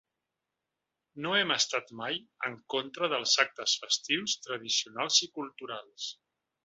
No hem estat mai en contra dels actes festius, tradicionals i culturals.